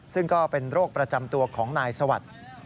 ซึ่งก็เป็นโรคประจำตัวของนายสวัสดิ์